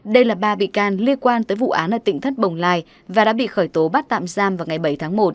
đây là ba bị can liên quan tới vụ án ở tỉnh thất bồng lai và đã bị khởi tố bắt tạm giam vào ngày bảy tháng một